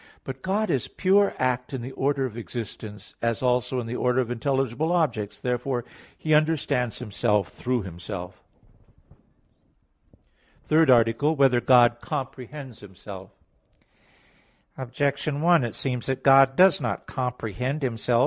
But God is a pure act in the order of existence, as also in the order of intelligible objects; therefore He understands Himself through Himself. _______________________ THIRD ARTICLE [I, Q. 14, Art. 3] Whether God Comprehends Himself? Objection 1: It seems that God does not comprehend Himself.